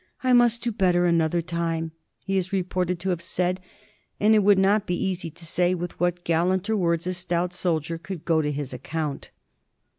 " I mast do better another time," he is reported to have said; and it would not be easy to say with what gallanter words a stoat soldier coald go to his acconnt.